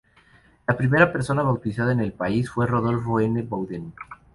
La primera persona bautizada en el país fue Rodolfo N. Bodden.